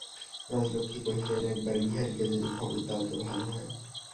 রাজলক্ষ্মী কহিলেন, একবার বিহারীকে যদি খবর দাও তো ভালো হয়।